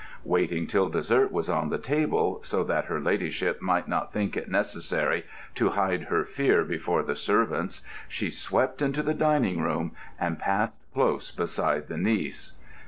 Waiting till dessert was on the table, so that her Ladyship might not think it necessary to hide her fear before the servants, she swept into the dining room and passed close beside the niece.